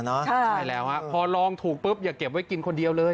ใช่แล้วพอลองถูกปุ๊บอย่าเก็บไว้กินคนเดียวเลย